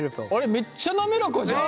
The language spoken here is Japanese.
めっちゃ滑らかじゃん。